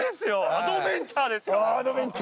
アドベンチャーですよ。